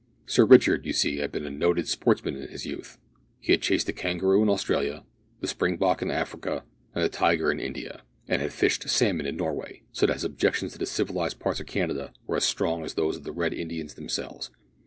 Sir Richard, you see, had been a noted sportsman in his youth. He had chased the kangaroo in Australia, the springbok in Africa, and the tiger in India, and had fished salmon in Norway, so that his objections to the civilised parts of Canada were as strong as those of the Red Indians themselves.